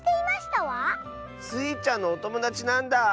スイちゃんのおともだちなんだ。